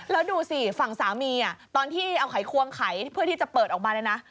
แล้วดูสิฝั่งสามีตอนที่เอาไขควงไขเพื่อที่จะเปิดออกมาเลยนะ